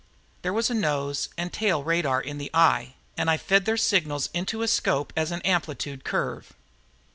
There was a nose and tail radar in the eye and I fed their signals into a scope as an amplitude curve.